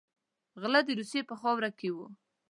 غله د روسیې په خاوره کې وو.